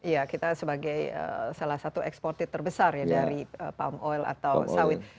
ya kita sebagai salah satu eksportir terbesar ya dari palm oil atau sawit